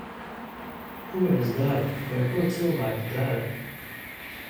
Ko es daru, vai ko cilvēki dara?